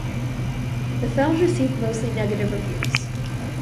The film received mostly negative reviews.